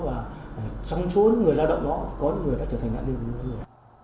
và trong số những người lao động đó thì có những người đã trở thành nạn nữ